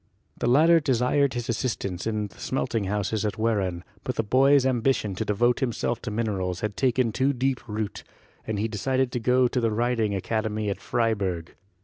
The latter desired his assistance in the smelting houses at Wehran, but the boy's ambition to devote himself to minerals had taken too deep root, and he decided to go to the Riding Academy at Freiburg.